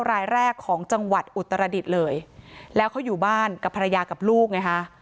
รายแรกของจังหวัดอุตรดิษฐ์เลยแล้วเขาอยู่บ้านกับภรรยากับลูกไงฮะ